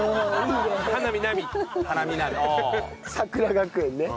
桜学園ね。